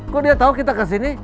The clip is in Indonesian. kok dia tahu kita kesini